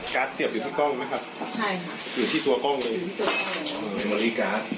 อยู่ที่ตัวกล้องเลยไมโมลีการ์ดไมโมลีการ์ด